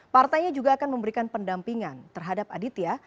partainya juga akan memberikan pendampingan terhadap aditya